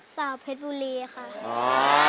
สาวเพชรบุรีค่ะ